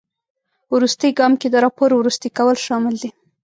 وروستي ګام کې د راپور وروستي کول شامل دي.